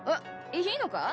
いいのか？